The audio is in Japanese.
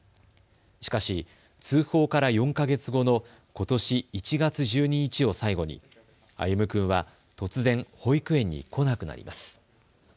しかし通報から４か月後のことし１月１２日を最後に歩夢君は突然、保育園に来なくなります。